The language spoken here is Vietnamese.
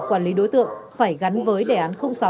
quản lý đối tượng phải gắn với đề án sáu